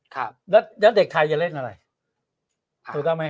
แล้วเด็กไทยจะเล่นอะไร